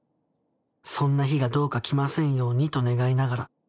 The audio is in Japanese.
そんな日がどうか来ませんようにと願いながら